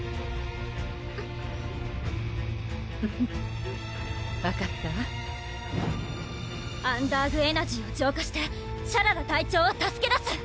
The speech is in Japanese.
フフフ分かったわアンダーグ・エナジーを浄化してシャララ隊長を助け出す！